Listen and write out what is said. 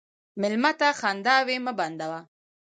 مېلمه ته خنداوې مه بندوه.